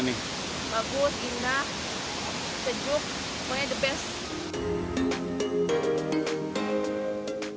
bagus indah sejuk semuanya the best